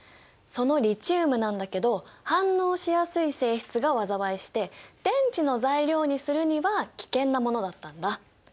そのリチウムなんだけど反応しやすい性質が災いして電池の材料にするには危険なものだったんだ。